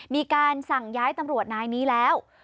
มีการสั่งย้ายตำรวจนายนี้แล้ว